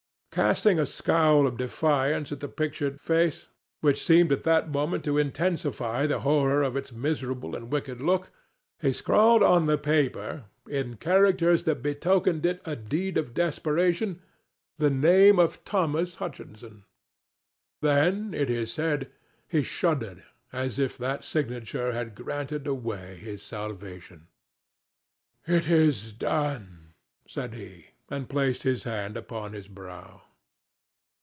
Casting a scowl of defiance at the pictured face—which seemed at that moment to intensify the horror of its miserable and wicked look—he scrawled on the paper, in characters that betokened it a deed of desperation, the name of Thomas Hutchinson. Then, it is said, he shuddered, as if that signature had granted away his salvation. "It is done," said he, and placed his hand upon his brow.